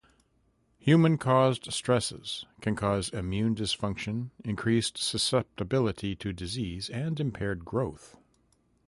Human-caused stresses can cause immune dysfunction, increased susceptibility to disease, and impaired growth.